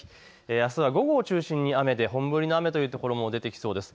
あすは午後を中心に雨で本降りの雨という所も出てきそうです。